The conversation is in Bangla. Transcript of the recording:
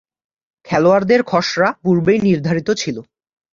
খেলোয়াড়দের খসড়া পূর্বেই নির্ধারিত ছিল।